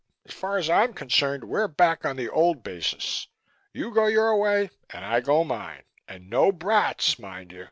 As far as I'm concerned, we're back on the old basis. You go your way and I go mine. And no brats, mind you!